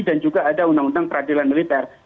dan juga ada undang undang peradilan militer